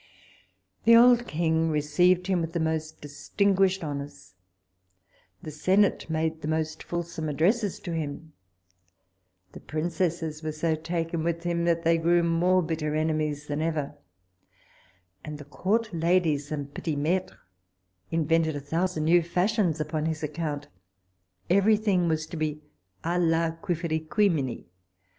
The old king received him with the most distinguished honours; the senate made the most fulsome addresses to him; the princesses were so taken with him, that they grew more bitter enemies than ever; and the court ladies and petit maitres invented a thousand new fashions upon his account every thing was to be à la Quifferiquimini.